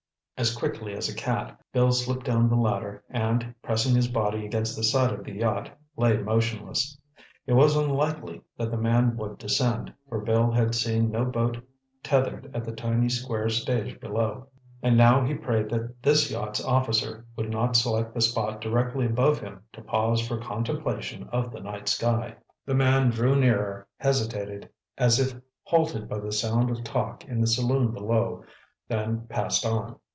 As quickly as a cat, Bill slipped down the ladder and, pressing his body against the side of the yacht, lay motionless. It was unlikely that the man would descend, for Bill had seen no boat tethered at the tiny square stage below. And now he prayed that this yacht's officer would not select the spot directly above him to pause for contemplation of the night sky. The man drew nearer, hesitated, as if halted by the sound of talk in the saloon below, then passed on.